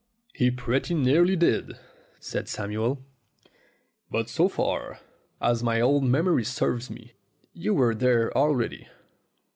"He pretty nearly did," said Samuel. "But so far as my old memory serves me, you were there already."